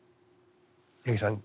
八木さん